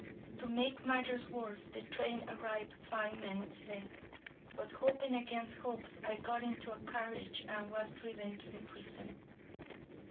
To make matters worse, the train arrived five minutes late, but, hoping against hopes, I got into a carriage and was driven to the prison.